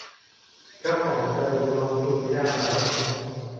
เจ้าของเดิมล็อกอินไม่ได้แล้ว